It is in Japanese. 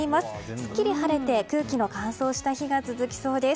すっきり晴れて空気の乾燥した日が続きそうです。